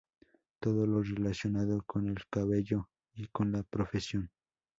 Todo lo relacionado con el cabello y con la profesión.